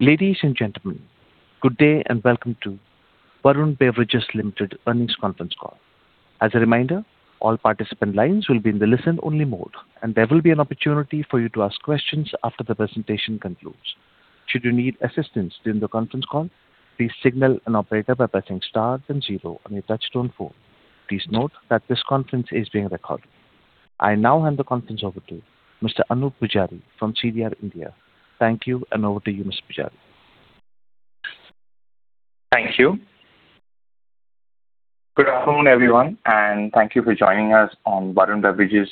Ladies and gentlemen, good day, and welcome to Varun Beverages Limited earnings conference call. As a reminder, all participant lines will be in the listen-only mode, and there will be an opportunity for you to ask questions after the presentation concludes. Should you need assistance during the conference call, please signal an operator by pressing star then zero on your touchtone phone. Please note that this conference is being recorded. I now hand the conference over to Mr. Anup Pujari from CDR India. Thank you, and over to you, Mr. Pujari. Thank you. Good afternoon, everyone, and thank you for joining us on Varun Beverages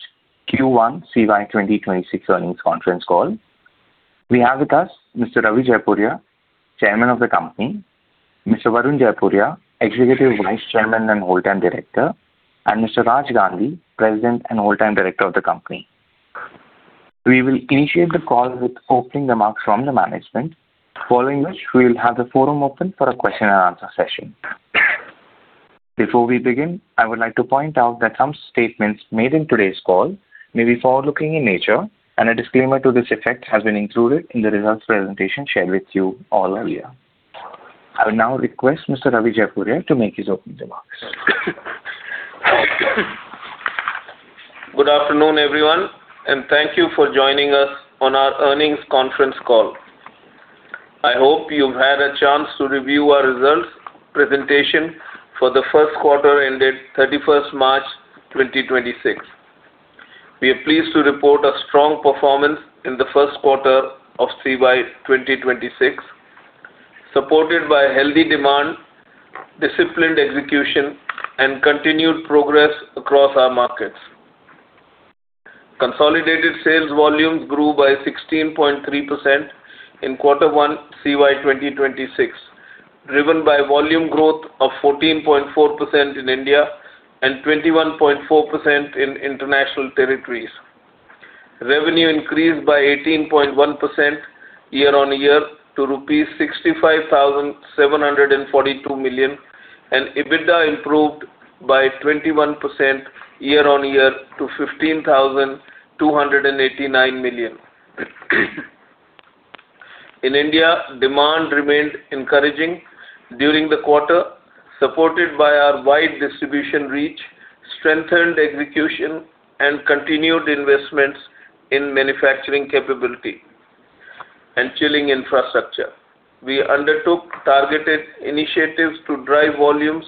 Q1 CY 2026 earnings conference call. We have with us Mr. Ravi Jaipuria, Chairman of the company, Mr. Varun Jaipuria, Executive Vice Chairman and Whole-Time Director, and Mr. Raj Gandhi, President and Whole-Time Director of the company. We will initiate the call with opening remarks from the management, following which we will have the forum open for a question-and-answer session. Before we begin, I would like to point out that some statements made in today's call may be forward-looking in nature, and a disclaimer to this effect has been included in the results presentation shared with you all earlier. I will now request Mr. Ravi Jaipuria to make his opening remarks. Good afternoon, everyone, and thank you for joining us on our earnings conference call. I hope you've had a chance to review our results presentation for the first quarter ended 31 March 2026. We are pleased to report a strong performance in the first quarter of CY 2026, supported by healthy demand, disciplined execution, and continued progress across our markets. Consolidated sales volumes grew by 16.3% in quarter one CY 2026, driven by volume growth of 14.4% in India and 21.4% in international territories. Revenue increased by 18.1% year-on-year to rupees 65,742 million, and EBITDA improved by 21% year-on-year to 15,289 million. In India, demand remained encouraging during the quarter, supported by our wide distribution reach, strengthened execution, and continued investments in manufacturing capability and chilling infrastructure. We undertook targeted initiatives to drive volumes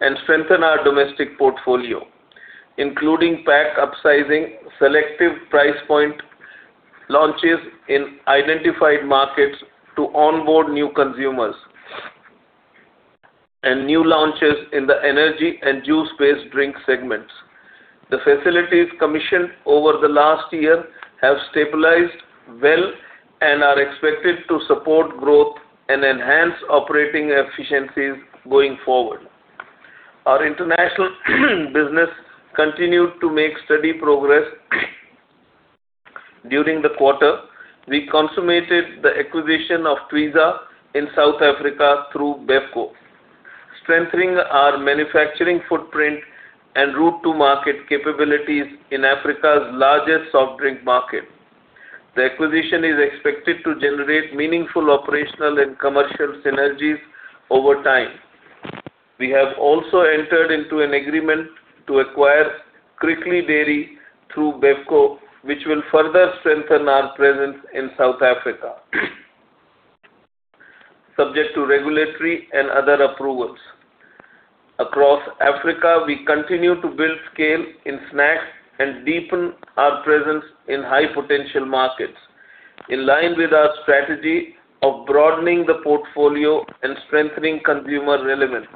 and strengthen our domestic portfolio, including pack upsizing, selective price point launches in identified markets to onboard new consumers, and new launches in the energy and juice-based drink segments. The facilities commissioned over the last year have stabilized well and are expected to support growth and enhance operating efficiencies going forward. Our international business continued to make steady progress during the quarter. We consummated the acquisition of Twizza in South Africa through BevCo, strengthening our manufacturing footprint and route to market capabilities in Africa's largest soft drink market. The acquisition is expected to generate meaningful operational and commercial synergies over time. We have also entered into an agreement to acquire Crickley Dairy through BevCo, which will further strengthen our presence in South Africa, subject to regulatory and other approvals. Across Africa, we continue to build scale in snacks and deepen our presence in high-potential markets in line with our strategy of broadening the portfolio and strengthening consumer relevance.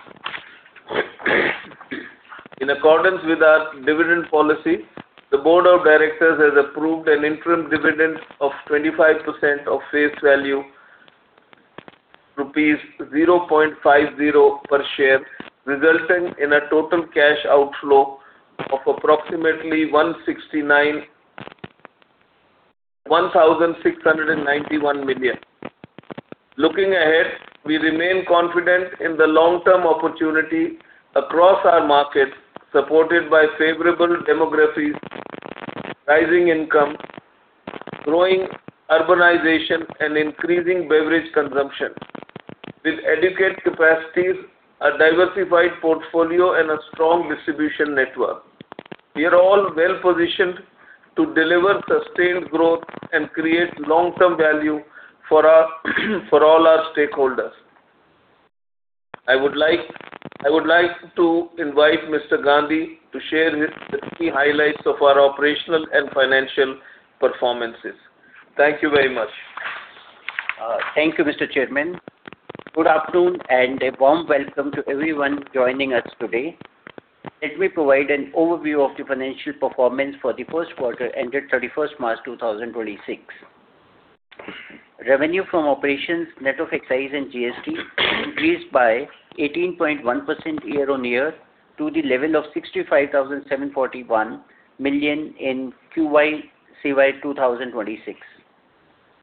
In accordance with our dividend policy, the board of directors has approved an interim dividend of 25% of face value, rupees 0.50 per share, resulting in a total cash outflow of approximately 1,691 million. Looking ahead, we remain confident in the long-term opportunity across our markets, supported by favorable demographies, rising income, growing urbanization, and increasing beverage consumption. With adequate capacities, a diversified portfolio, and a strong distribution network, we are all well-positioned to deliver sustained growth and create long-term value for all our stakeholders. I would like to invite Mr. Gandhi to share his key highlights of our operational and financial performances. Thank you very much. Thank you, Mr. Chairman. Good afternoon and a warm welcome to everyone joining us today. Let me provide an overview of the financial performance for the first quarter ended March 31, 2026. Revenue from operations net of excise and GST increased by 18.1% year-on-year to the level of 65,741 million in Q1 CY 2026.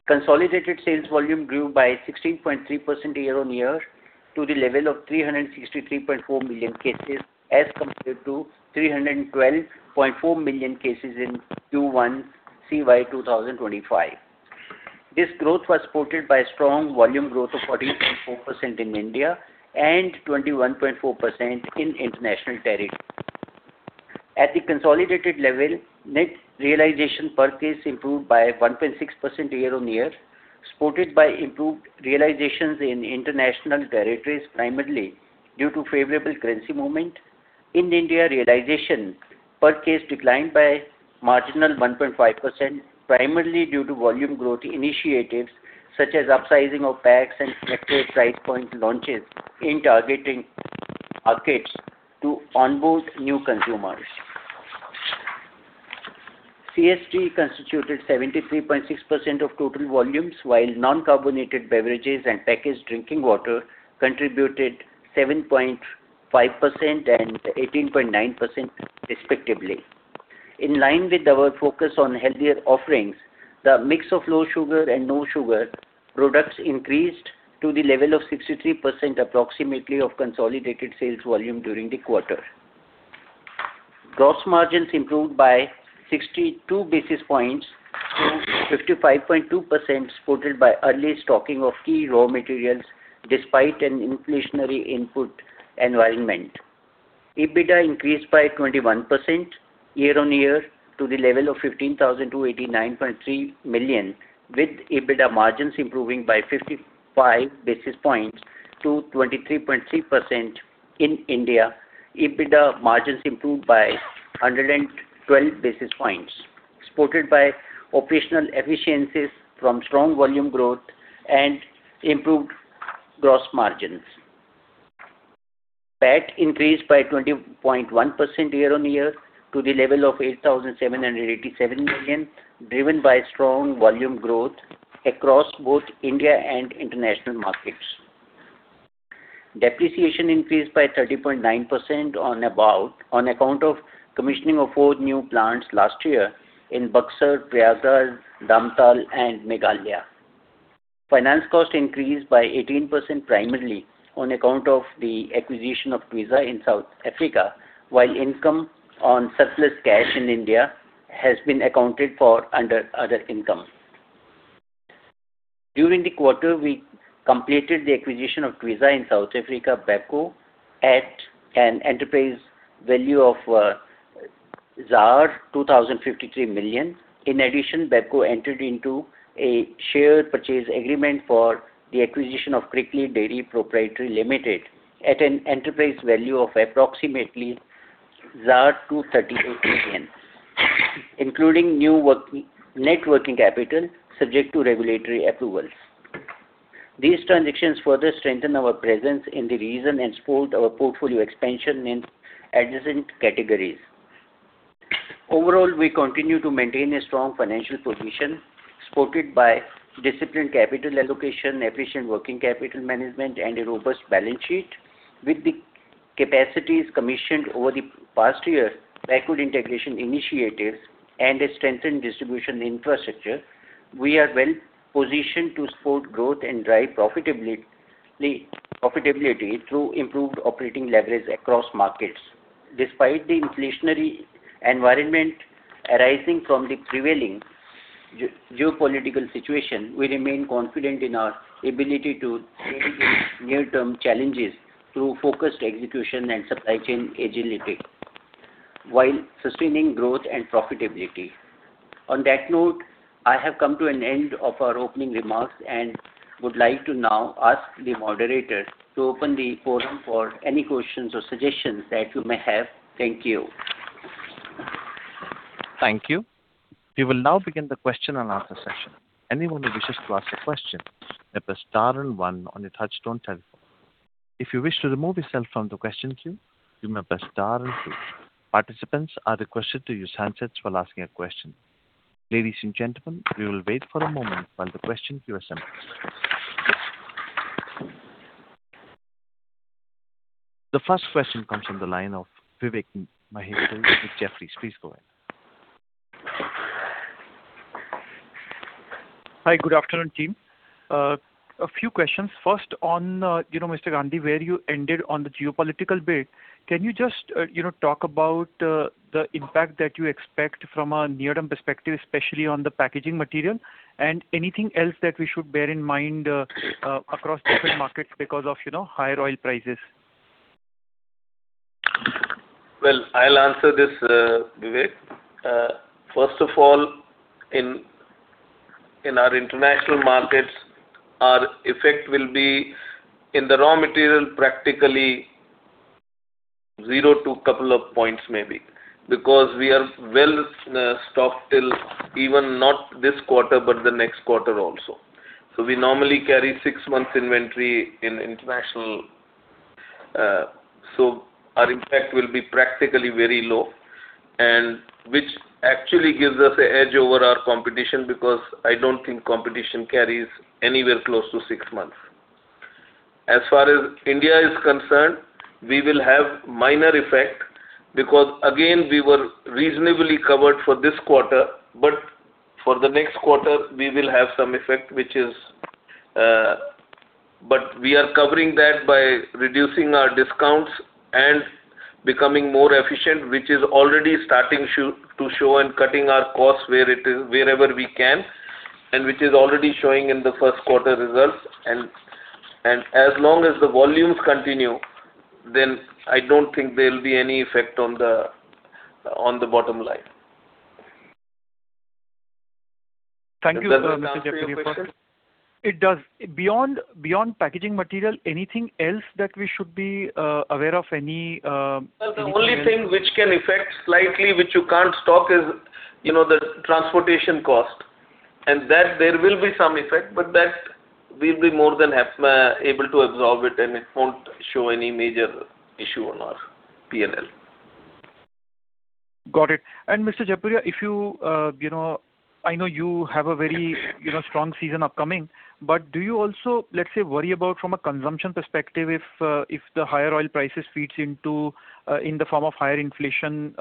Consolidated sales volume grew by 16.3% year-on-year to the level of 363.4 million cases as compared to 312.4 million cases in Q1 CY 2025. This growth was supported by strong volume growth of 14.4% in India and 21.4% in international territories. At the consolidated level, net realization per case improved by 1.6% year-on-year, supported by improved realizations in international territories, primarily due to favorable currency movement. In India, realization per case declined by a marginal 1.5%, primarily due to volume growth initiatives such as upsizing of packs and selective price point launches in target markets to onboard new consumers. CSD constituted 73.6% of total volumes, while non-carbonated beverages and packaged drinking water contributed 7.5% and 18.9% respectively. In line with our focus on healthier offerings, the mix of low sugar and no sugar products increased to the level of 63% approximately of consolidated sales volume during the quarter. Gross margins improved by 62 basis points to 55.2%, supported by early stocking of key raw materials despite an inflationary input environment. EBITDA increased by 21% year-on-year to the level of 15,289.3 million, with EBITDA margins improving by 55 basis points to 23.3%. In India, EBITDA margins improved by 112 basis points, supported by operational efficiencies from strong volume growth and improved gross margins. PET increased by 20.1% year-on-year to the level of 8,787 million, driven by strong volume growth across both India and international markets. Depreciation increased by 30.9% on account of commissioning of four new plants last year in Buxar, Prayagraj, Damtal, and Meghalaya. Finance cost increased by 18% primarily on account of the acquisition of Twizza in South Africa, while income on surplus cash in India has been accounted for under other income. During the quarter, we completed the acquisition of Twizza in South Africa, BevCo, at an enterprise value of ZAR 2,053 million. In addition, BevCo entered into a share purchase agreement for the acquisition of Crickley Dairy Proprietary Limited at an enterprise value of approximately ZAR 232 million, including net working capital subject to regulatory approvals. These transactions further strengthen our presence in the region and support our portfolio expansion in adjacent categories. Overall, we continue to maintain a strong financial position supported by disciplined capital allocation, efficient working capital management, and a robust balance sheet. With the capacities commissioned over the past year, backward integration initiatives, and a strengthened distribution infrastructure, we are well-positioned to support growth and drive profitability through improved operating leverage across markets. Despite the inflationary environment arising from the prevailing geopolitical situation, we remain confident in our ability to navigate near-term challenges through focused execution and supply chain agility, while sustaining growth and profitability. On that note, I have come to an end of our opening remarks and would like to now ask the moderator to open the forum for any questions or suggestions that you may have. Thank you. Thank you. We will now begin the question-and-answer session. Anyone who wishes to ask a question may press star and one on your touchtone telephone. If you wish to remove yourself from the question queue, you may press star and two. Participants are requested to use handsets while asking a question. Ladies and gentlemen, we will wait for a moment while the question queue assembles. The first question comes from the line of Vivek Maheshwari with Jefferies. Please go ahead. Hi. Good afternoon, team. A few questions. First on, you know, Mr. Gandhi, where you ended on the geopolitical bit, can you just, you know, talk about the impact that you expect from a near-term perspective, especially on the packaging material and anything else that we should bear in mind, across different markets because of, you know, higher oil prices? Well, I'll answer this, Vivek. First of all, in our international markets, our effect will be in the raw material practically zero to couple of points maybe, because we are well stocked till even not this quarter, but the next quarter also. We normally carry six months inventory in international. Our impact will be practically very low and which actually gives us an edge over our competition because I don't think competition carries anywhere close to six months. As far as India is concerned, we will have minor effect because again, we were reasonably covered for this quarter, but for the next quarter, we will have some effect, which is. We are covering that by reducing our discounts and becoming more efficient, which is already starting to show and cutting our costs wherever we can, and which is already showing in the first quarter results. As long as the volumes continue, then I don't think there'll be any effect on the bottom line. Thank you, Mr. Jaipuria. Does that answer your question? It does. Beyond packaging material, anything else that we should be aware of any potential- Well, the only thing which can affect slightly, which you can't stock is, you know, the transportation cost. That there will be some effect, but that we'll be more than able to absorb it, and it won't show any major issue on our P&L. Got it. Mr. Jaipuria, if you know, I know you have a very, you know, strong season upcoming, but do you also, let's say, worry about from a consumption perspective if the higher oil prices feeds into, in the form of higher inflation,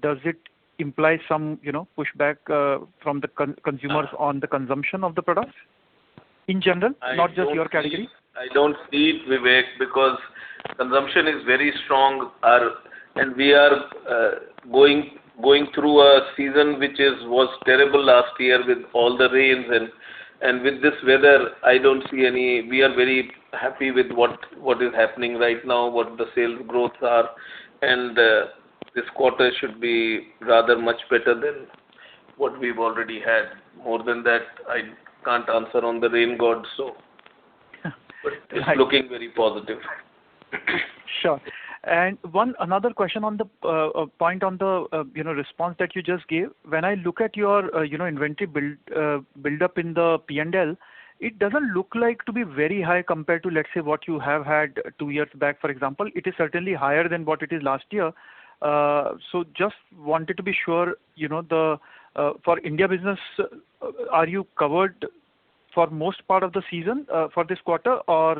does it imply some, you know, pushback, from the consumers on the consumption of the products? In general, not just your category. I don't see it, Vivek, because consumption is very strong. We are going through a season which was terrible last year with all the rains and with this weather. I don't see any. We are very happy with what is happening right now, what the sales growths are. This quarter should be rather much better than what we've already had. More than that, I can't answer on the rain gods. It's looking very positive. Sure. Another question on the point on the, you know, response that you just gave. When I look at your, you know, inventory build up in the P&L, it doesn't look like to be very high compared to, let's say, what you have had two years back, for example. It is certainly higher than what it is last year. So just wanted to be sure, you know, the for India business, are you covered for most part of the season, for this quarter? Or,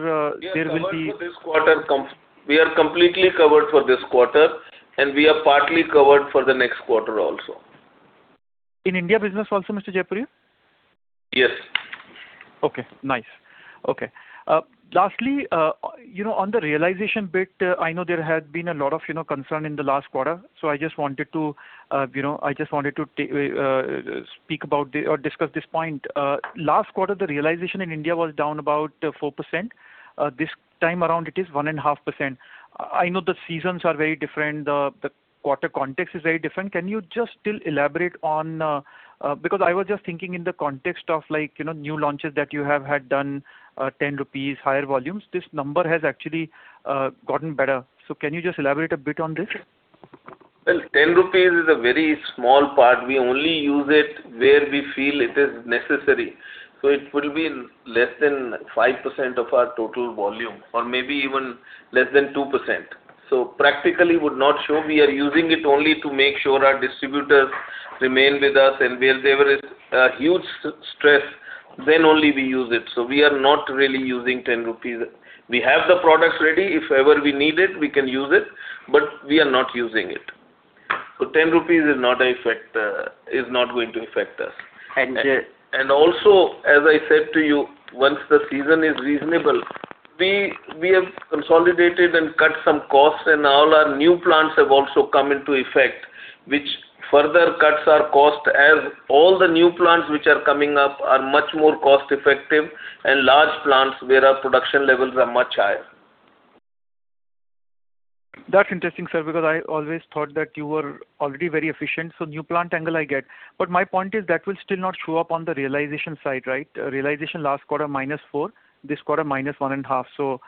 there will be- We are completely covered for this quarter, and we are partly covered for the next quarter also. In India business also, Mr. Jaipuria? Yes. Okay, nice. Lastly, you know, on the realization bit, I know there had been a lot of, you know, concern in the last quarter. I just wanted to, you know, speak about the or discuss this point. Last quarter, the realization in India was down about 4%. This time around it is 1.5%. I know the seasons are very different. The quarter context is very different. Can you just still elaborate on, because I was just thinking in the context of like, you know, new launches that you have had done, 10 rupees, higher volumes. This number has actually gotten better. Can you just elaborate a bit on this? Well, 10 rupees is a very small part. We only use it where we feel it is necessary. It will be less than 5% of our total volume or maybe even less than 2%. It practically would not show. We are using it only to make sure our distributors remain with us, and where there is a huge stress, then only we use it. We are not really using 10 rupees. We have the products ready. If ever we need it, we can use it, but we are not using it. 10 rupees is not a factor, is not going to affect us. And J- Also, as I said to you, once the season is reasonable, we have consolidated and cut some costs and all our new plants have also come into effect, which further cuts our cost as all the new plants which are coming up are much more cost-effective and large plants where our production levels are much higher. That's interesting, sir, because I always thought that you were already very efficient. New plant angle I get. My point is that will still not show up on the realization side, right? Realization last quarter -4%, this quarter -1.5%.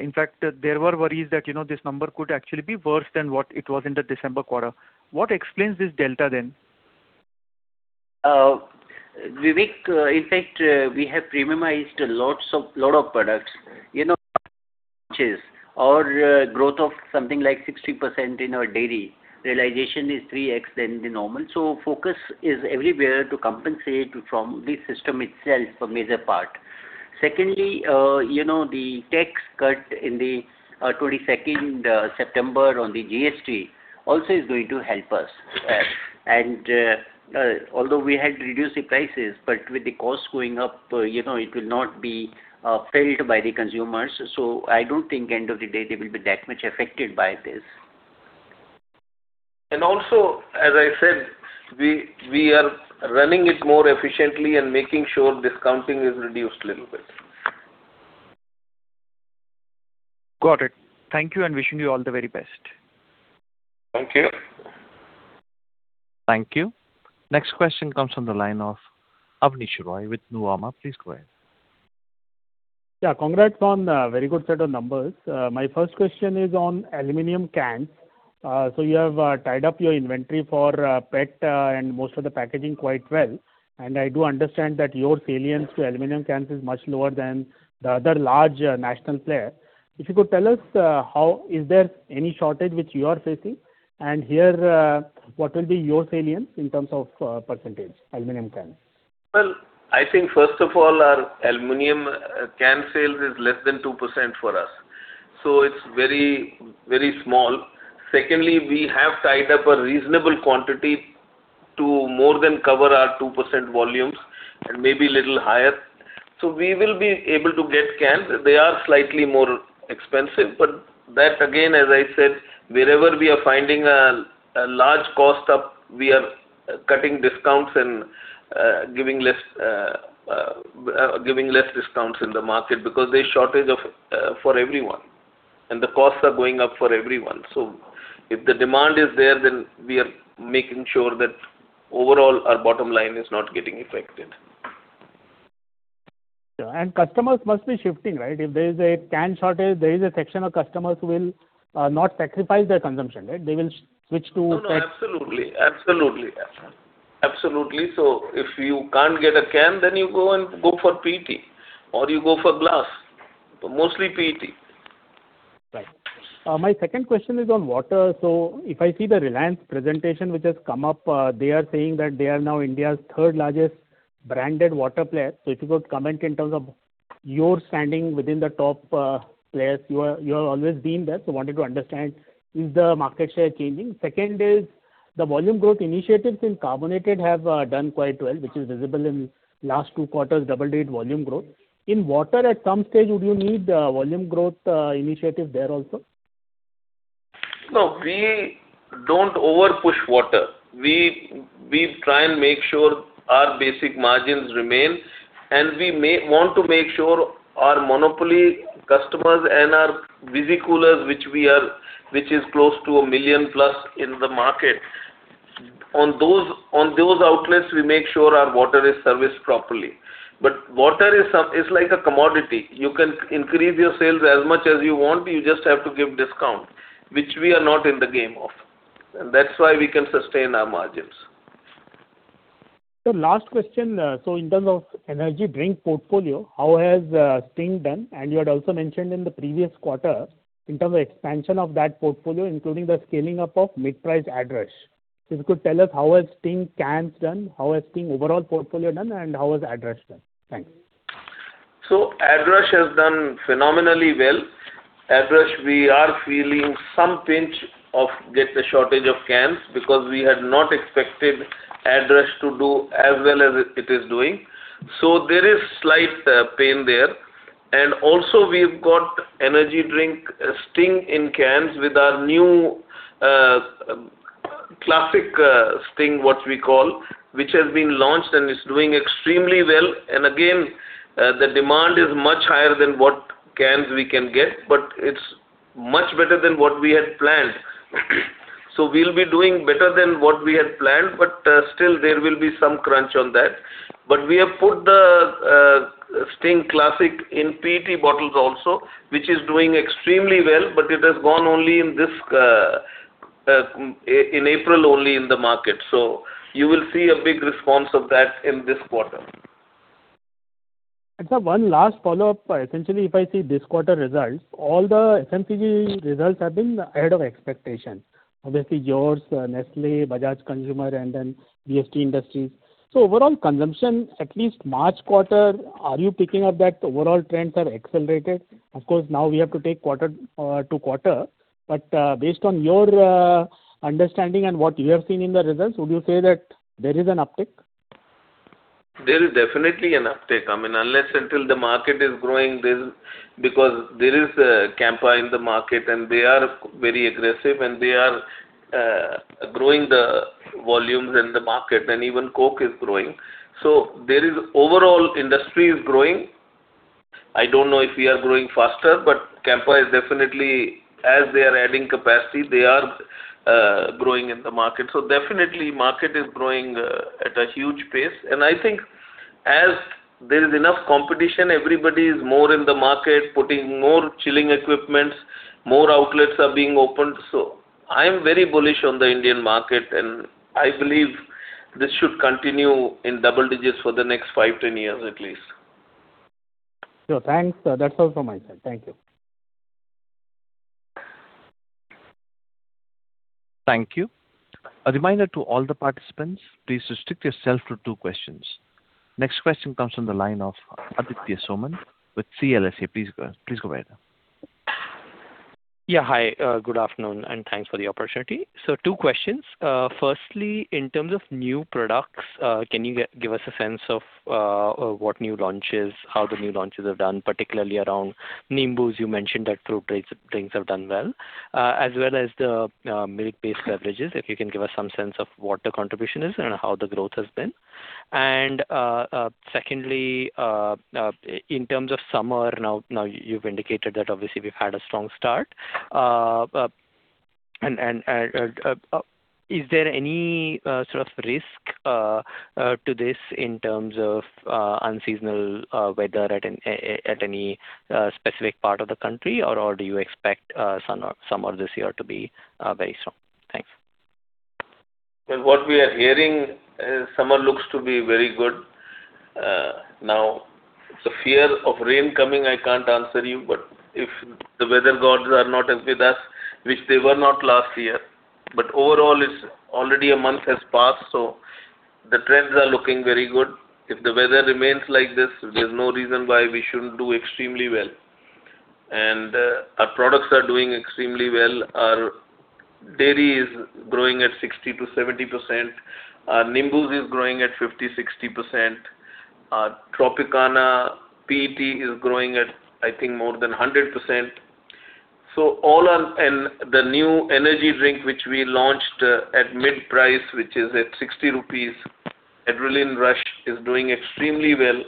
In fact, there were worries that, you know, this number could actually be worse than what it was in the December quarter. What explains this delta then? Vivek, in fact, we have premiumized lot of products. You know, launches or growth of something like 60% in our dairy, realization is 3x the normal. Focus is everywhere to compensate from the system itself for major part. Secondly, you know, the tax cut in the 22nd September on the GST also is going to help us. Yes. Although we had reduced the prices, but with the costs going up, you know, it will not be felt by the consumers. I don't think end of the day they will be that much affected by this. As I said, we are running it more efficiently and making sure discounting is reduced little bit. Got it. Thank you and wishing you all the very best. Thank you. Thank you. Next question comes from the line of Abneesh Roy with Nuvama. Please go ahead. Yeah, congrats on a very good set of numbers. My first question is on aluminum cans. So you have tied up your inventory for PET and most of the packaging quite well. I do understand that your salience to aluminum cans is much lower than the other large national player. If you could tell us, is there any shortage which you are facing? Here, what will be your salience in terms of percentage aluminum cans? Well, I think first of all, our aluminum can sales is less than 2% for us. It's very, very small. Secondly, we have tied up a reasonable quantity to more than cover our 2% volumes and maybe a little higher. We will be able to get cans. They are slightly more expensive, but that again, as I said, wherever we are finding a large cost up, we are cutting discounts and giving less discounts in the market because there's shortage for everyone, and the costs are going up for everyone. If the demand is there, then we are making sure that overall our bottom line is not getting affected. Sure. Customers must be shifting, right? If there is a can shortage, there is a section of customers who will not sacrifice their consumption, right? They will switch to PET- No, absolutely. If you can't get a can, then you go for PET or you go for glass. Mostly PET. Right. My second question is on water. If I see the Reliance presentation which has come up, they are saying that they are now India's third-largest branded water player. If you could comment in terms of your standing within the top players. You have always been there, so wanted to understand, is the market share changing? Second is, the volume growth initiatives in carbonated have done quite well, which is visible in last two quarters double-digit volume growth. In water, at some stage, would you need volume growth initiative there also? No, we don't over-push water. We try and make sure our basic margins remain, and we want to make sure our monopoly customers and our visi-coolers, which is close to a million-plus in the market. On those outlets, we make sure our water is serviced properly. Water is like a commodity. You can increase your sales as much as you want, you just have to give discount, which we are not in the game of. That's why we can sustain our margins. Last question. In terms of energy drink portfolio, how has Sting done? You had also mentioned in the previous quarter in terms of expansion of that portfolio, including the scaling up of mid-priced Adrenaline Rush. If you could tell us how has Sting cans done, how has Sting overall portfolio done, and how has Adrenaline Rush done? Thanks. Adrenaline Rush has done phenomenally well. Adrenaline Rush, we are feeling some pinch from the shortage of cans because we had not expected Adrenaline Rush to do as well as it is doing. There is slight pain there. Also we've got energy drink Sting in cans with our new Classic Sting, what we call, which has been launched and is doing extremely well. Again, the demand is much higher than what cans we can get, but it's much better than what we had planned. We'll be doing better than what we had planned, but still there will be some crunch on that. We have put the Sting Classic in PET bottles also, which is doing extremely well, but it has gone only in this in April only in the market. You will see a big response of that in this quarter. Sir, one last follow-up. Essentially, if I see this quarter results, all the FMCG results have been ahead of expectation. Obviously yours, Nestlé, Bajaj Consumer, and then VST Industries. Overall consumption, at least March quarter, are you picking up that overall trends are accelerated? Of course, now we have to take quarter to quarter. Based on your understanding and what you have seen in the results, would you say that there is an uptick? There is definitely an uptick. I mean, until the market is growing. Because there is Campa in the market, and they are very aggressive, and they are growing the volumes in the market, and even Coke is growing. The overall industry is growing. I don't know if we are growing faster, but Campa is definitely, as they are adding capacity, they are growing in the market. The market is definitely growing at a huge pace. I think as there is enough competition, everybody is more in the market, putting more chilling equipment, more outlets are being opened. I am very bullish on the Indian market, and I believe this should continue in double digits for the next five, 10 years at least. Sure. Thanks. That's all from my side. Thank you. Thank you. A reminder to all the participants, please restrict yourself to two questions. Next question comes from the line of Aditya Soman with CLSA. Please go ahead. Yeah. Hi, good afternoon, and thanks for the opportunity. Two questions. Firstly, in terms of new products, can you give us a sense of what new launches, how the new launches have done, particularly around Nimbooz? You mentioned that fruit drinks have done well, as well as the milk-based beverages, if you can give us some sense of what the contribution is and how the growth has been. Secondly, in terms of summer, now you've indicated that obviously we've had a strong start. Is there any sort of risk to this in terms of unseasonal weather at any specific part of the country, or do you expect summer this year to be very strong? Thanks. Well, what we are hearing is summer looks to be very good. Now, the fear of rain coming, I can't answer you, but if the weather gods are not as with us, which they were not last year. Overall it's already a month has passed, so the trends are looking very good. If the weather remains like this, there's no reason why we shouldn't do extremely well. Our products are doing extremely well. Our dairy is growing at 60%-70%. Our Nimbooz is growing at 50%-60%. Our Tropicana PET is growing at, I think, more than 100%. All our and the new energy drink which we launched at mid-price, which is at 60 rupees, Adrenaline Rush, is doing extremely well.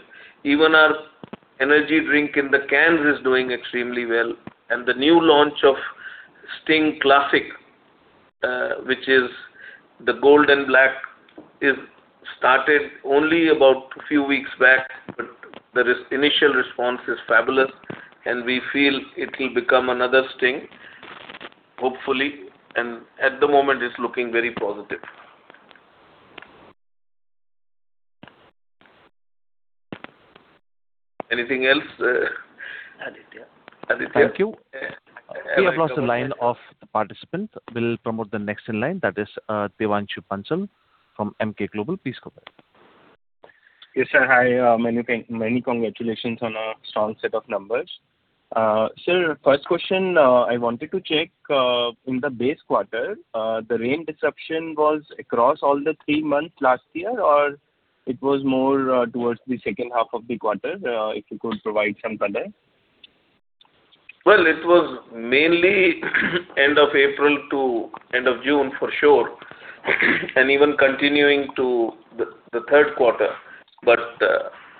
Even our energy drink in the cans is doing extremely well. The new launch of Sting Classic, which is the gold and black, is started only about a few weeks back, but the initial response is fabulous and we feel it will become another Sting, hopefully, and at the moment it's looking very positive. Anything else? Aditya. Thank you. We have lost the line of the participant. We'll promote the next in line. That is, Devanshu Bansal from Emkay Global. Please go ahead. Yes, sir. Hi. Many congratulations on a strong set of numbers. Sir, first question, I wanted to check, in the base quarter, the rain disruption was across all the three months last year, or it was more towards the second half of the quarter? If you could provide some color. Well, it was mainly end of April to end of June for sure, and even continuing to the third quarter.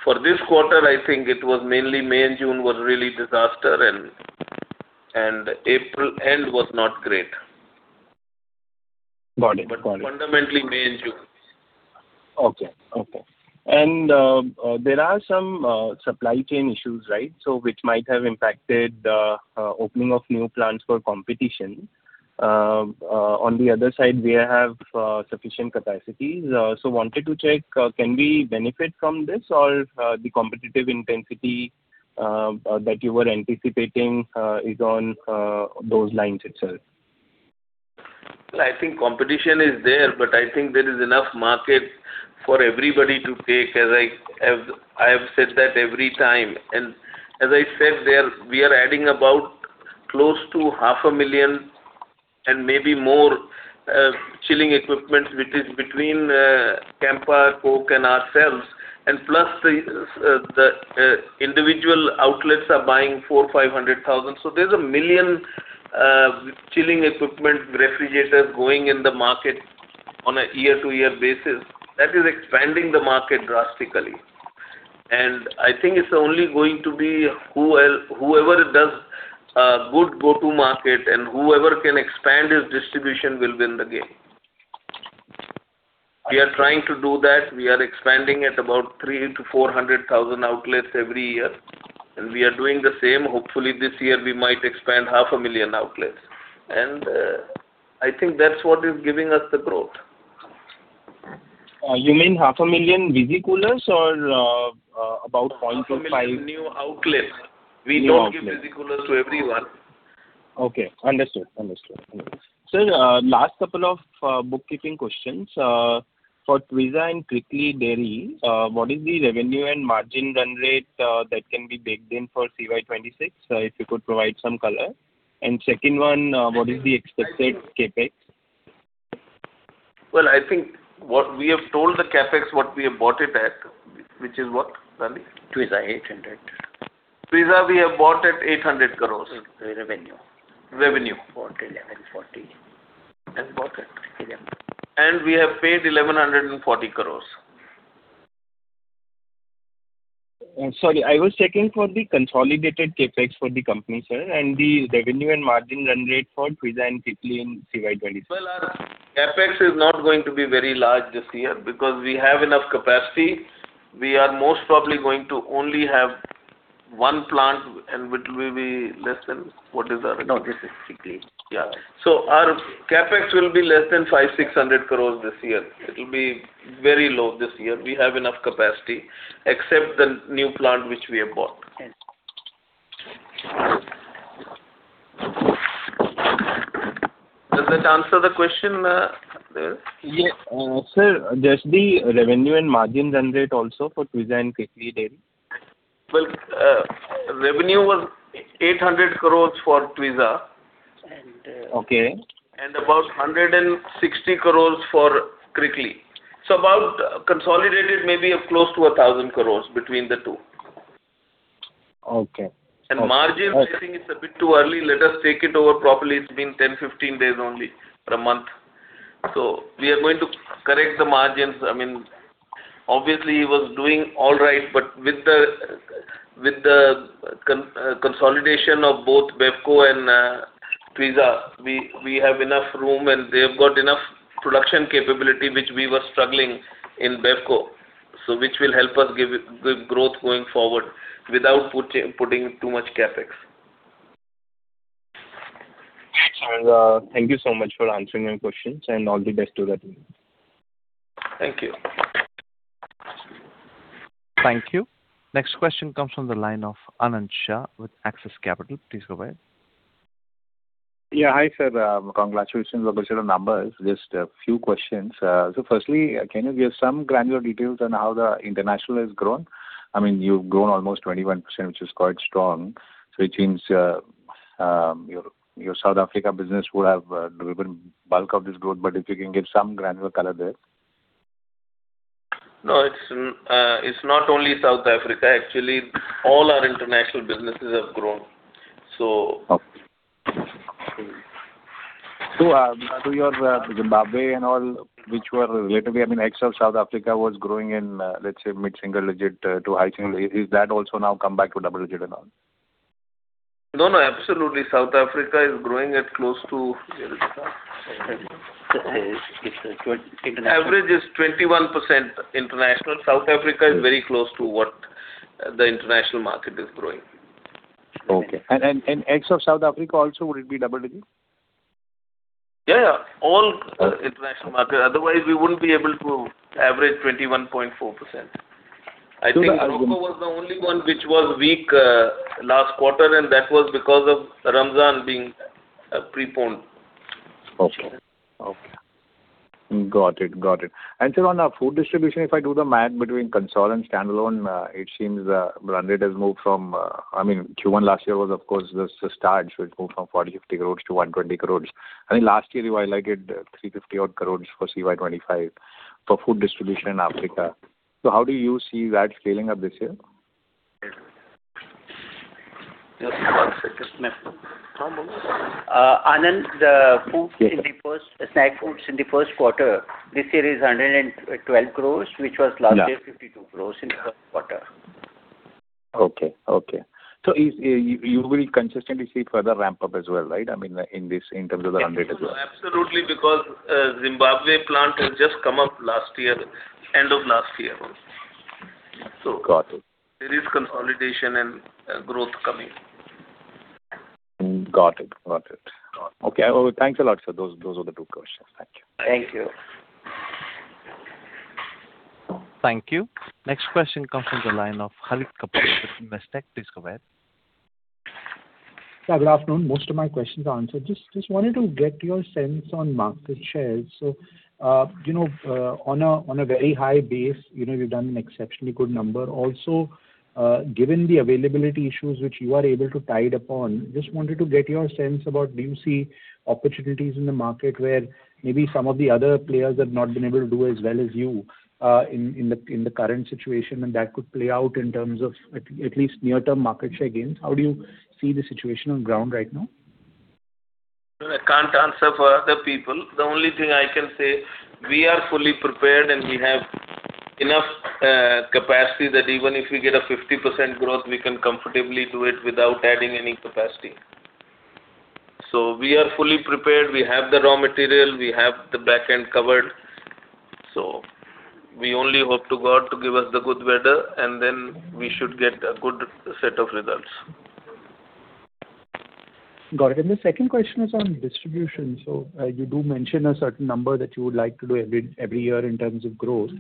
For this quarter, I think it was mainly May and June was really disaster and April end was not great. Got it. Got it. Fundamentally May and June. There are some supply chain issues, right? Which might have impacted opening of new plants for competition. On the other side, we have sufficient capacities. Wanted to check, can we benefit from this or the competitive intensity that you were anticipating is on those lines itself? Well, I think competition is there, but I think there is enough market for everybody to take, as I have said that every time. As I said, we are adding about close to 500,000 and maybe more chilling equipment, which is between Campa, Coke and ourselves. Plus the individual outlets are buying 400,000-500,000. So there's a million chilling equipment, refrigerators going in the market on a year-to-year basis. That is expanding the market drastically. I think it's only going to be whoever does a good go-to-market and whoever can expand his distribution will win the game. We are trying to do that. We are expanding at about 300,000-400,000 outlets every year, and we are doing the same. Hopefully, this year we might expand half a million outlets. I think that's what is giving us the growth. You mean 500,000 visi-coolers or about 0.45- 500,000 new outlets. New outlets. We don't give visi-coolers to everyone. Okay. Understood. Sir, last couple of bookkeeping questions. For Twizza and Crickley Dairy, what is the revenue and margin run rate that can be baked in for CY 2026? If you could provide some color. Second one, what is the expected CapEx? Well, I think what we have told the CapEx, what we have bought it at, which is what, Raj? Twizza, 800 crore. Twizza we have bought at 800 crore. Revenue. Revenue. 1,140 crore. Have bought at INR 1,140 crore. We have paid 1,140 crore. Sorry. I was checking for the consolidated CapEx for the company, sir, and the revenue and margin run rate for Twizza and Crickley in CY 2026. Well, our CapEx is not going to be very large this year because we have enough capacity. We are most probably going to only have one plant and which CapEX will be less than 500-600 crore this year. It will be very low this year. We have enough capacity, except the new plant which we have bought. Yes. Does that answer the question, Dev? Yeah. Sir, just the revenue and margin run rate also for Twizza and Crickley Dairy. Well, revenue was 800 crore for Twizza. Okay. About 160 crore for Crickley. About consolidated maybe of close to 1,000 crore between the two. Okay. Margin, I think it's a bit too early. Let us take it over properly. It's been 10, 15 days only or a month. We are going to correct the margins. I mean, obviously it was doing all right, but with the consolidation of both BevCo and Twizza, we have enough room and they've got enough production capability, which we were struggling in BevCo. Which will help us give growth going forward without putting too much CapEx. Great. Thank you so much for answering my questions, and all the best to the team. Thank you. Thank you. Next question comes from the line of Anant Shah with Axis Capital. Please go ahead. Yeah, hi, sir. Congratulations on the set of numbers. Just a few questions. Firstly, can you give some granular details on how the international has grown? I mean, you've grown almost 21%, which is quite strong. It seems your South Africa business would have delivered bulk of this growth, but if you can give some granular color there. No, it's not only South Africa. Actually, all our international businesses have grown. Your Zimbabwe and all which were relatively, I mean, except South Africa was growing in, let's say mid-single digit to high single. Is that also now come back to double digit and all? No, no, absolutely. South Africa is growing at close to average is 21% international. South Africa is very close to what the international market is growing. Okay. Except South Africa also, would it be double digits? Yeah, yeah. All international market, otherwise we wouldn't be able to average 21.4%. I think Morocco was the only one which was weak last quarter, and that was because of Ramadan being preponed. Okay. Got it. Sir, on food distribution, if I do the math between consolidated and standalone, it seems run rate has moved from, I mean, Q1 last year was of course just a start, so it moved from 40 crores-50 crores to 120 crores. I think last year you highlighted 350 odd crores for CY 2025 for food distribution in Africa. How do you see that scaling up this year? Anant, snack foods in the first quarter this year is 112 crore, which was last year 52 crore in the first quarter. Okay. You will consistently see further ramp-up as well, right? I mean, in terms of the run rate as well. Absolutely, because Zimbabwe plant has just come up last year, end of last year. Got it. There is consolidation and growth coming. Got it. Okay. Well, thanks a lot, sir. Those were the two questions. Thank you. Thank you. Thank you. Next question comes from the line of Harit Kapoor with Investec. Please go ahead. Sir, good afternoon. Most of my questions are answered. Just wanted to get your sense on market share. You know, on a very high base, you know, you've done an exceptionally good number. Also, given the availability issues which you are able to tide over, just wanted to get your sense about do you see opportunities in the market where maybe some of the other players have not been able to do as well as you in the current situation, and that could play out in terms of at least near-term market share gains. How do you see the situation on the ground right now? No, I can't answer for other people. The only thing I can say, we are fully prepared and we have enough capacity that even if we get a 50% growth, we can comfortably do it without adding any capacity. We are fully prepared. We have the raw material, we have the back end covered. We only hope to God to give us the good weather, and then we should get a good set of results. Got it. The second question is on distribution. You do mention a certain number that you would like to do every year in terms of growth.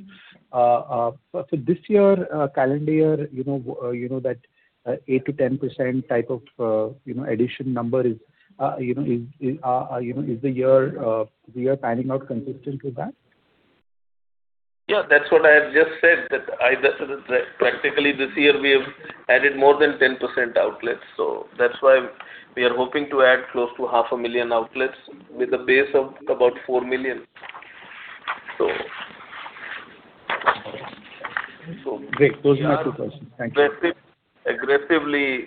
For this year, calendar year, you know that 8%-10% type of addition number, you know, is the year we are planning out consistent with that? Yeah, that's what I have just said that practically this year we have added more than 10% outlets. That's why we are hoping to add close to 500,000 outlets with a base of about 4 million. Great. Those are my two questions. Thank you. We are aggressively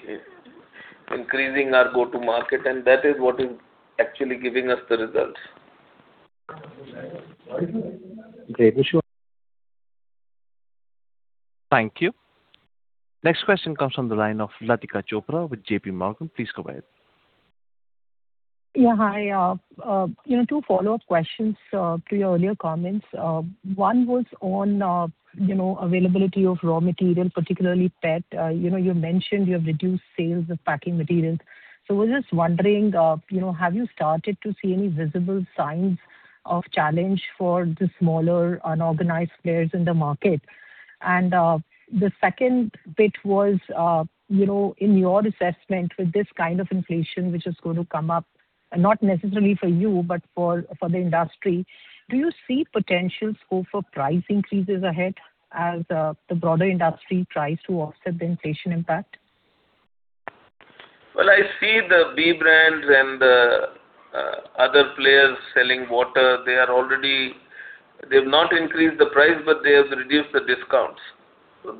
increasing our go-to-market, and that is what is actually giving us the results. Great. Wish you all Thank you. Next question comes from the line of Latika Chopra with J.P. Morgan. Please go ahead. Yeah, hi. You know, two follow-up questions to your earlier comments. One was on, you know, availability of raw material, particularly PET. You know, you mentioned you have reduced sales of packing materials. So I was just wondering, you know, have you started to see any visible signs of challenge for the smaller unorganized players in the market? And the second bit was, you know, in your assessment with this kind of inflation which is going to come up, and not necessarily for you, but for the industry, do you see potential scope for price increases ahead as the broader industry tries to offset the inflation impact? Well, I see the B brands and the other players selling water, they are already. They've not increased the price, but they have reduced the discounts.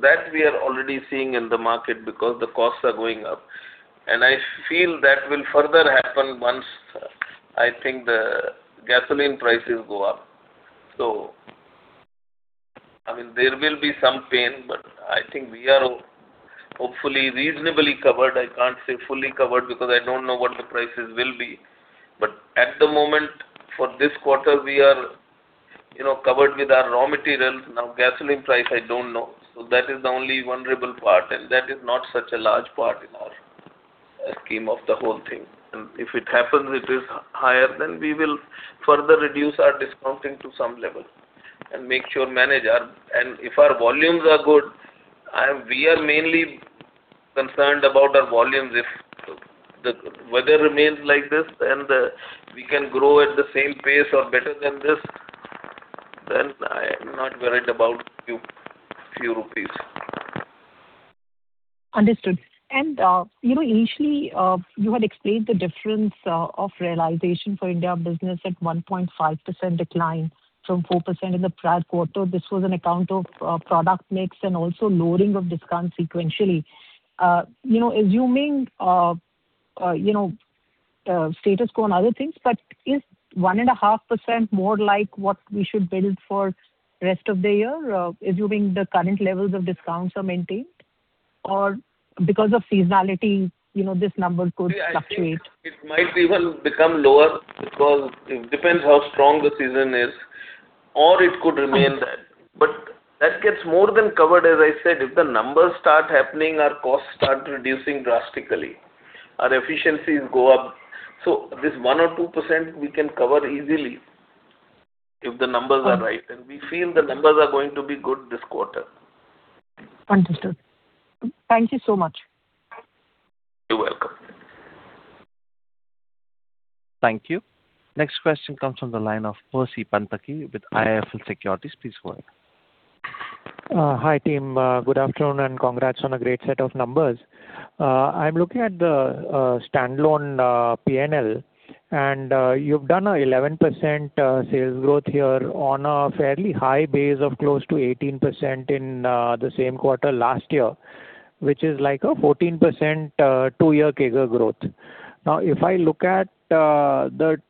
That we are already seeing in the market because the costs are going up. I feel that will further happen once I think the gasoline prices go up. I mean, there will be some pain, but I think we are hopefully reasonably covered. I can't say fully covered because I don't know what the prices will be. At the moment, for this quarter, we are, you know, covered with our raw materials. Now, gasoline price, I don't know. That is the only vulnerable part, and that is not such a large part in our scheme of the whole thing. If it happens, it is higher, then we will further reduce our discounting to some level. If our volumes are good, we are mainly concerned about our volumes. If the weather remains like this and we can grow at the same pace or better than this, then I'm not worried about few rupees. Understood. You know, initially, you had explained the difference of realization for India business at 1.5% decline from 4% in the prior quarter. This was on account of product mix and also loading of discount sequentially. You know, assuming status quo on other things, is 1.5% more like what we should build for rest of the year, assuming the current levels of discounts are maintained? Because of seasonality, you know, this number could fluctuate. I think it might even become lower because it depends how strong the season is, or it could remain that. That gets more than covered, as I said. If the numbers start happening, our costs start reducing drastically. Our efficiencies go up. This 1% or 2% we can cover easily if the numbers are right, and we feel the numbers are going to be good this quarter. Understood. Thank you so much. You're welcome. Thank you. Next question comes from the line of Percy Panthaki with IIFL Securities. Please go ahead. Hi, team. Good afternoon, and congrats on a great set of numbers. I'm looking at the standalone P&L, and you've done a 11% sales growth here on a fairly high base of close to 18% in the same quarter last year, which is like a 14% two-year CAGR growth. Now, if I look at the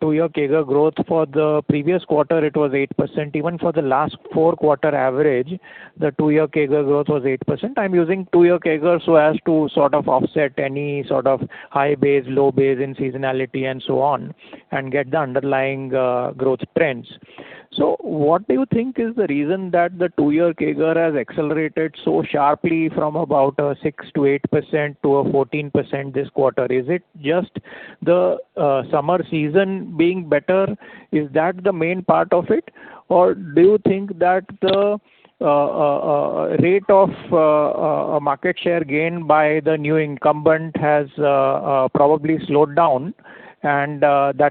two-year CAGR growth for the previous quarter, it was 8%. Even for the last four-quarter average, the two-year CAGR growth was 8%. I'm using two-year CAGR so as to sort of offset any sort of high base, low base in seasonality and so on, and get the underlying growth trends. What do you think is the reason that the two-year CAGR has accelerated so sharply from about 6%-8% to 14% this quarter? Is it just the summer season being better? Is that the main part of it? Or do you think that the rate of market share gained by the new incumbent has probably slowed down and the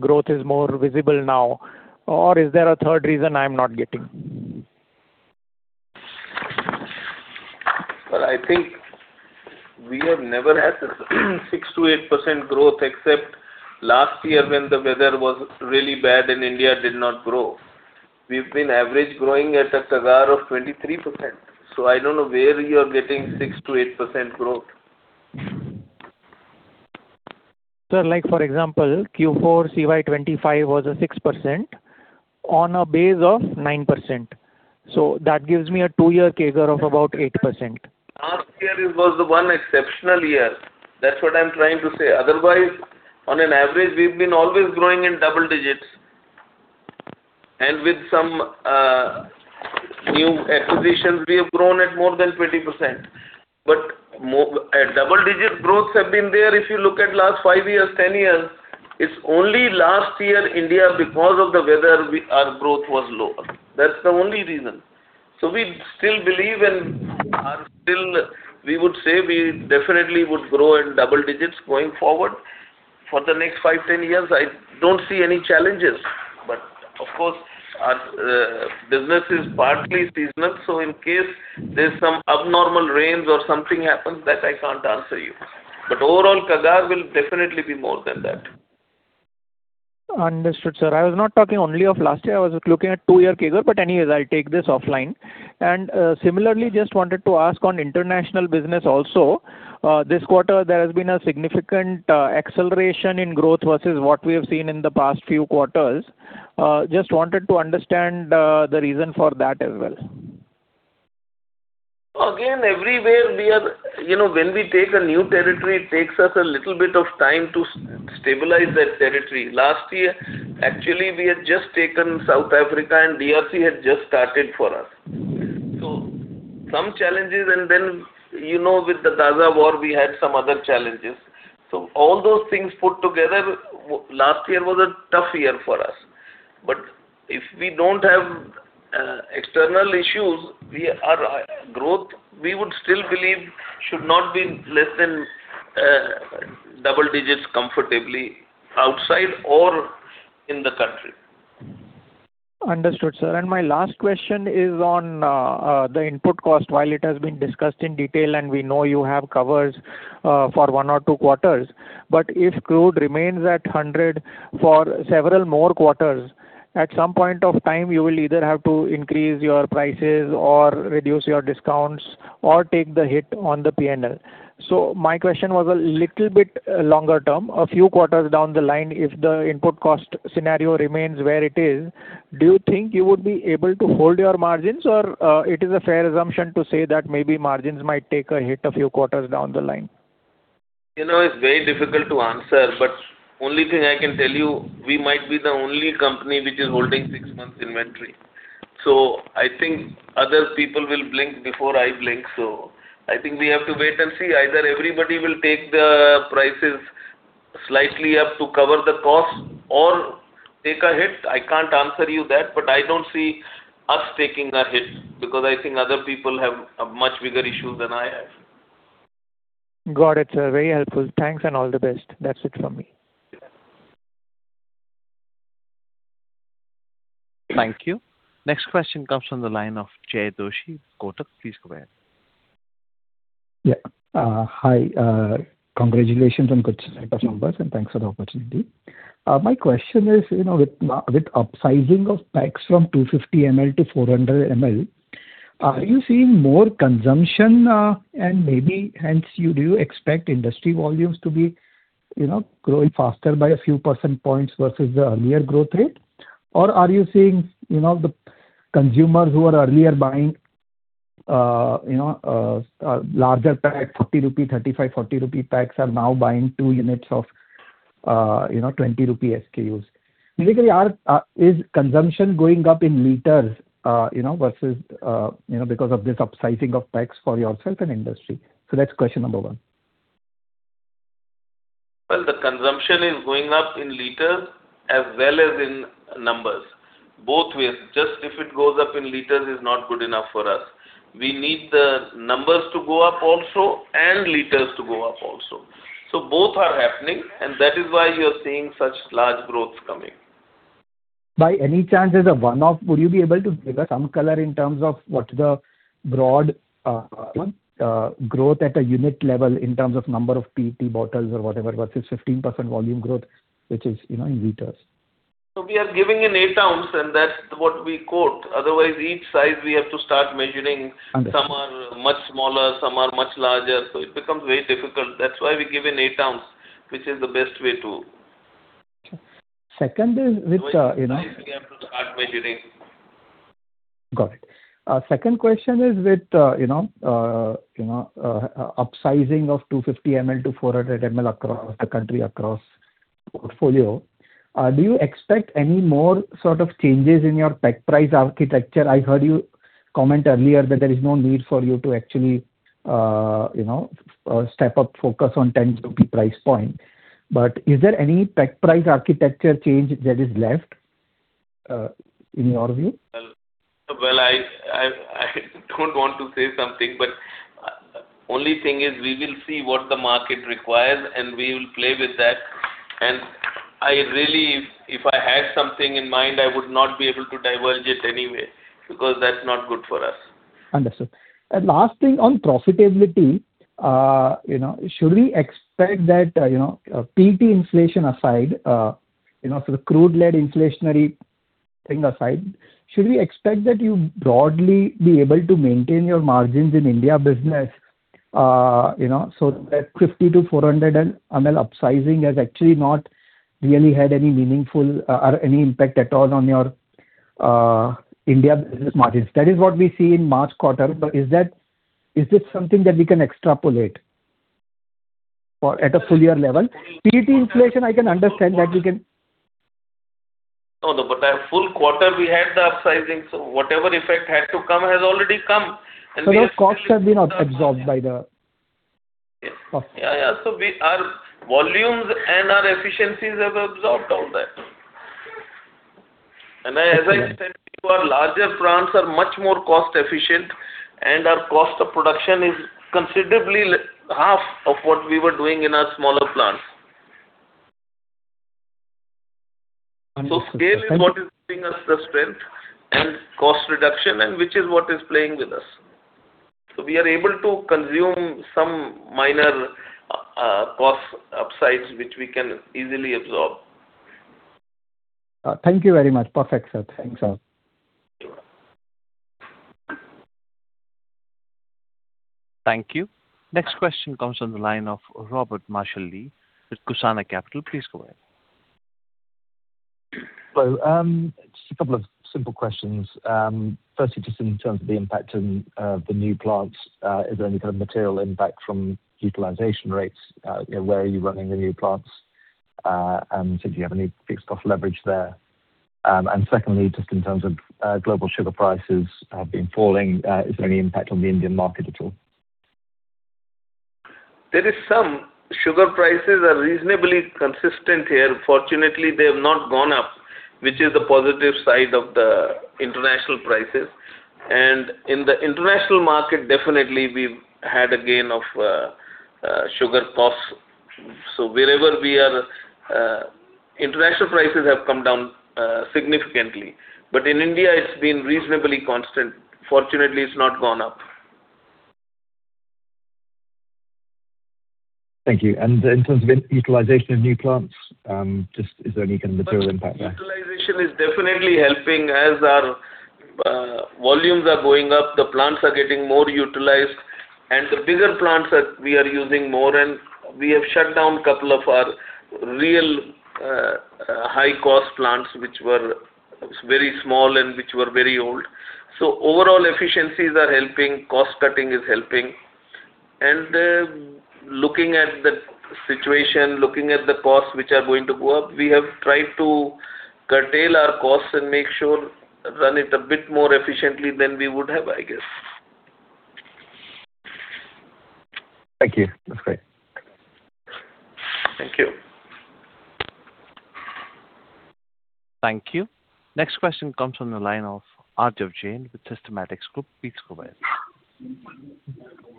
growth is more visible now? Or is there a third reason I'm not getting? Well, I think we have never had this 6%-8% growth except last year when the weather was really bad and India did not grow. We've been average growing at a CAGR of 23%, so I don't know where you're getting 6%-8% growth. Sir, like for example, Q4 CY 2025 was a 6% on a base of 9%. That gives me a two-year CAGR of about 8%. Last year it was one exceptional year. That's what I'm trying to say. Otherwise, on average, we've been always growing in double digits. With some new acquisitions, we have grown at more than 20%. Double-digit growths have been there if you look at last five years, 10 years. It's only last year in India, because of the weather, our growth was low. That's the only reason. We still believe and are still, we would say we definitely would grow in double digits going forward. For the next five, 10 years, I don't see any challenges. Of course, our business is partly seasonal, so in case there's some abnormal rains or something happens, that I can't answer you. Overall CAGR will definitely be more than that. Understood, sir. I was not talking only of last year, I was looking at two-year CAGR, but anyways, I'll take this offline. Similarly, just wanted to ask on international business also. This quarter there has been a significant acceleration in growth versus what we have seen in the past few quarters. Just wanted to understand the reason for that as well. Again, everywhere we are. You know, when we take a new territory, it takes us a little bit of time to stabilize that territory. Last year, actually we had just taken South Africa and DRC had just started for us. So some challenges and then, you know, with the Gaza war, we had some other challenges. So all those things put together, last year was a tough year for us. But if we don't have external issues, our growth, we would still believe should not be less than double digits comfortably outside or in the country. Understood, sir. My last question is on the input cost. While it has been discussed in detail and we know you have covers for one or two quarters, but if crude remains at 100 for several more quarters, at some point of time, you will either have to increase your prices or reduce your discounts or take the hit on the P&L. My question was a little bit longer term. A few quarters down the line, if the input cost scenario remains where it is, do you think you would be able to hold your margins or it is a fair assumption to say that maybe margins might take a hit a few quarters down the line? You know, it's very difficult to answer, but only thing I can tell you, we might be the only company which is holding six months inventory. I think other people will blink before I blink. I think we have to wait and see. Either everybody will take the prices slightly up to cover the cost or take a hit. I can't answer you that, but I don't see us taking a hit because I think other people have a much bigger issue than I have. Got it, sir. Very helpful. Thanks and all the best. That's it from me. Yeah. Thank you. Next question comes from the line of Jay Doshi, Kotak. Please go ahead. Hi. Congratulations on good set of numbers, and thanks for the opportunity. My question is, you know, with upsizing of packs from 250 ml to 400 ml, are you seeing more consumption, and maybe hence do you expect industry volumes to be, you know, growing faster by a few percentage points versus the earlier growth rate? Or are you seeing, you know, the consumers who are earlier buying, you know, larger pack, 40 rupee, 35, 40 rupee packs are now buying two units of, you know, 20 rupee SKUs? Basically is consumption going up in liters, you know, versus, you know, because of this upsizing of packs for yourself and industry? So that's question number one. Well, the consumption is going up in liters as well as in numbers, both ways. Just if it goes up in liters is not good enough for us. We need the numbers to go up also and liters to go up also. Both are happening, and that is why you're seeing such large growths coming. By any chance, as a one-off, would you be able to give us some color in terms of what the broad growth at a unit level in terms of number of PET bottles or whatever, versus 15% volume growth, which is, you know, in liters? We are giving in 8 ounce, and that's what we quote. Otherwise, each size we have to start measuring. Understood. Some are much smaller, some are much larger, so it becomes very difficult. That's why we give in 8 ounce, which is the best way to. Sure. Second is with, you know. Otherwise, we have to start measuring. Got it. Second question is with upsizing of 250 ml to 400 ml across the country, across portfolio, do you expect any more sort of changes in your pack price architecture? I heard you comment earlier that there is no need for you to actually step up focus on 10 rupee price point. Is there any pack price architecture change that is left in your view? Well, I don't want to say something, but only thing is we will see what the market requires, and we will play with that. I really, if I had something in mind, I would not be able to divulge it anyway because that's not good for us. Understood. Last thing on profitability, you know, should we expect that, you know, PET inflation aside, you know, the crude-led inflationary thing aside, should we expect that you broadly be able to maintain your margins in India business? You know, that 250 ml-400 ml upsizing has actually not really had any meaningful or any impact at all on your India business margins. That is what we see in March quarter. Is this something that we can extrapolate for at a full year level? PET inflation, I can understand that we can. No, no, but that full quarter we had the upsizing, so whatever effect had to come has already come, and we have. Those costs have been absorbed by the. Yeah. Our volumes and our efficiencies have absorbed all that. As I said, our larger plants are much more cost efficient, and our cost of production is considerably half of what we were doing in our smaller plants. Understood. Scale is what is giving us the strength and cost reduction and which is what is playing with us. We are able to consume some minor, cost upsides which we can easily absorb. Thank you very much. Perfect, sir. Thanks a lot. Sure. Thank you. Next question comes from the line of Robert Marshall-Lee with Cusana Capital. Please go ahead. Hello. Just a couple of simple questions. Firstly, just in terms of the impact on the new plants, is there any kind of material impact from utilization rates? You know, where are you running the new plants? And do you have any fixed cost leverage there? And secondly, just in terms of global sugar prices have been falling, is there any impact on the Indian market at all? Sugar prices are reasonably consistent here. Fortunately, they have not gone up, which is the positive side of the international prices. In the international market, definitely we've had a gain of sugar costs. Wherever we are, international prices have come down significantly. In India, it's been reasonably constant. Fortunately, it's not gone up. Thank you. In terms of utilization of new plants, just is there any kind of material impact there? Utilization is definitely helping. As our volumes are going up, the plants are getting more utilized, and the bigger plants we are using more, and we have shut down a couple of our really high-cost plants which were very small and which were very old. Overall efficiencies are helping, cost cutting is helping. Looking at the situation, looking at the costs which are going to go up, we have tried to curtail our costs and make sure to run it a bit more efficiently than we would have, I guess. Thank you. That's great. Thank you. Thank you. Next question comes from the line of Arjun Jain with Systematix Group.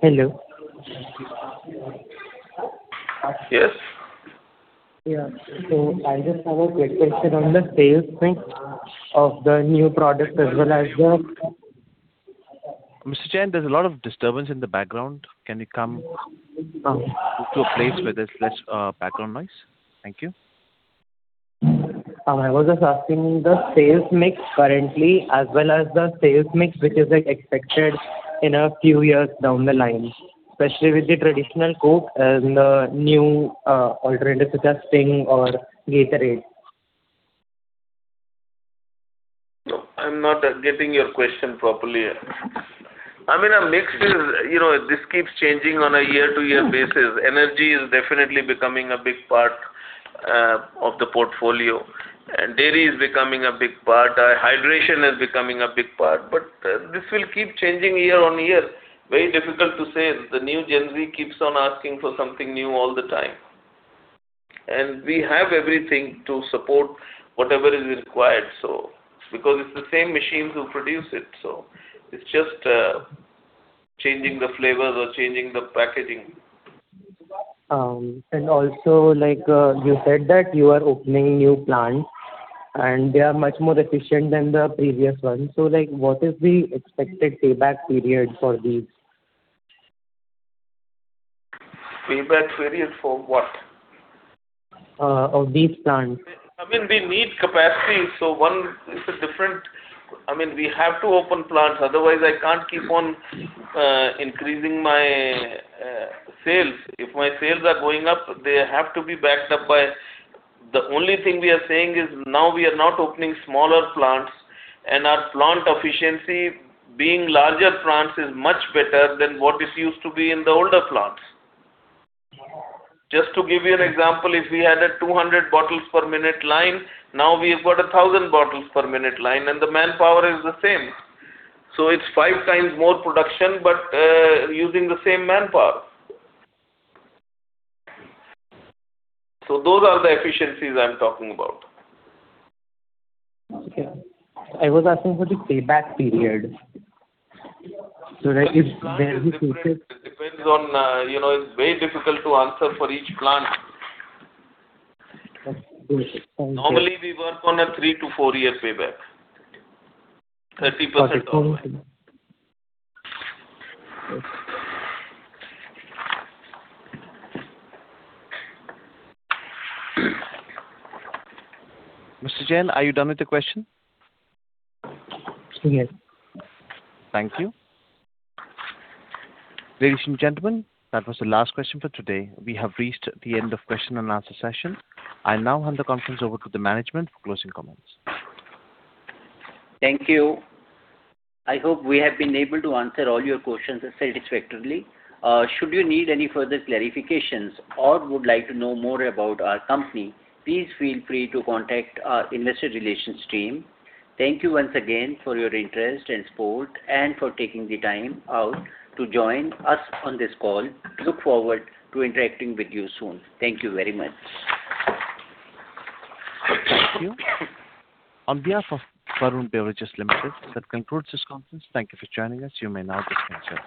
Hello. Yes. Yeah. I just have a quick question on the sales mix of the new product as well as the Mr. Jain, there's a lot of disturbance in the background. Can you come to a place where there's less background noise? Thank you. I was just asking the sales mix currently as well as the sales mix which is, like, expected in a few years down the line, especially with the traditional Coke and the new alternatives such as Sting or Gatorade. No, I'm not getting your question properly. I mean, our mix is, you know, this keeps changing on a year-to-year basis. Energy is definitely becoming a big part of the portfolio. Dairy is becoming a big part. Hydration is becoming a big part. This will keep changing year on year. Very difficult to say. The new Gen Z keeps on asking for something new all the time. We have everything to support whatever is required because it's the same machines who produce it. It's just changing the flavors or changing the packaging. Also, like, you said that you are opening new plants and they are much more efficient than the previous ones. Like, what is the expected payback period for these? Payback period for what? Of these plants. I mean, we need capacity. We have to open plants, otherwise I can't keep on increasing my sales. If my sales are going up, they have to be backed up by the only thing we are saying is now we are not opening smaller plants and our plant efficiency being larger plants is much better than what it used to be in the older plants. Just to give you an example, if we had a 200 bottles per minute line, now we've got a 1,000 bottles per minute line, and the manpower is the same. So it's five times more production, but using the same manpower. So those are the efficiencies I'm talking about. Okay. I was asking for the payback period. Like if there is It depends on, you know. It's very difficult to answer for each plant. Okay. Normally, we work on a three to four-year payback. 30% off. Mr. Jain, are you done with the question? Yes. Thank you. Ladies and gentlemen, that was the last question for today. We have reached the end of question-and-answer session. I now hand the conference over to the management for closing comments. Thank you. I hope we have been able to answer all your questions satisfactorily. Should you need any further clarifications or would like to know more about our company, please feel free to contact our investor relations team. Thank you once again for your interest and support and for taking the time out to join us on this call. We look forward to interacting with you soon. Thank you very much. Thank you. On behalf of Varun Beverages Limited, that concludes this conference. Thank you for joining us. You may now disconnect your line.